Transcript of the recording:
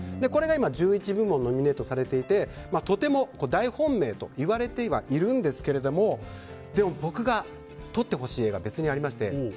これが今１１部門ノミネートされていてとても大本命といわれているんですけどもでも、僕がとってほしい映画は別にあって。